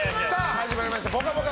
始まりました「ぽかぽか」